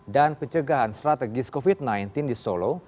dan pencegahan strategis covid sembilan belas di solo